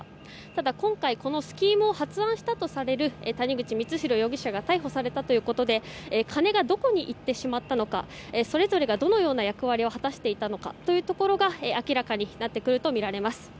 ただ今回、このスキームを発案したとされる谷口光弘容疑者が逮捕されたことで金がどこに行ってしまったのかそれぞれがどのような役割を果たしていたのかというのが明らかになってくるとみられます。